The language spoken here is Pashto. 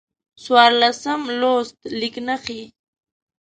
څوارلسم لوست: لیک نښې